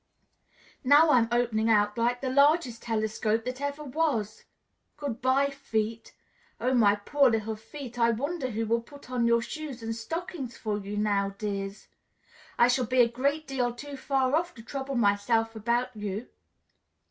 "Now I'm opening out like the largest telescope that ever was! Good by, feet! Oh, my poor little feet, I wonder who will put on your shoes and stockings for you now, dears? I shall be a great deal too far off to trouble myself about you."